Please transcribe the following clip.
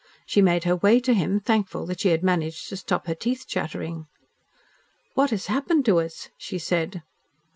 She made her way to him, thankful that she had managed to stop her teeth chattering. "What has happened to us?" she said.